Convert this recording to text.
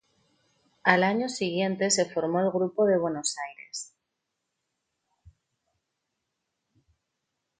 Al año siguiente se formó el grupo de Buenos Aires.